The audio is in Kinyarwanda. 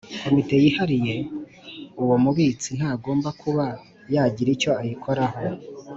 konti yihariye Uwo mubitsi ntagomba kuba yagira icyo ayikoraho